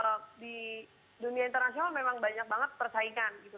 so i think di dunia internasional memang banyak banget persaingan gitu